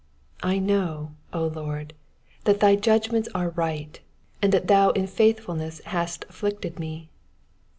75 I know, O Lord, that thy judgments are right, and tAat thou in faithfulness hast afflicted me.